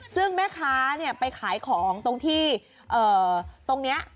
ซึ่งแม่ค้าเนี่ยไปขายของตรงที่เอ่อตรงเนี้ย